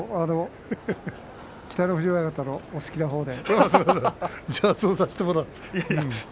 北の富士さんのお好きなほうで。